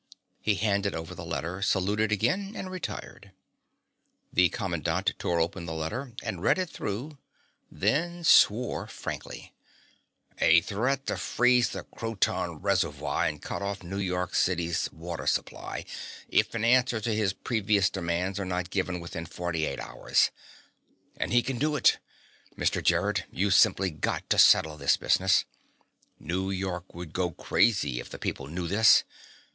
He handed over the letter, saluted again, and retired. The commandant tore open the letter and read it through, then swore frankly. "A threat to freeze the Croton reservoir and cut off New York City's water supply if an answer to his previous demands is not given within forty eight hours! And he can do it! Mr. Gerrod, you've simply got to settle this business. New York would go crazy if the people knew this.